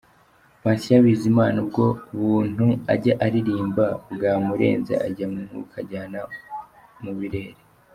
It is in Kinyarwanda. Patient Bizimana "Ubwo buntu" ajya aririmba bwamurenze ajya mu Mwuka ajyana mu birere.